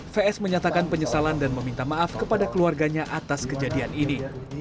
vs menyatakan penyesalan dan meminta maaf kepada keluarganya atas kejadian ini